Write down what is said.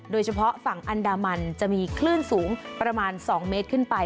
โดยเฉพาะฝั่งอันดามันจะมีคลื่นสูงประมาณ๒เมตรขึ้นไป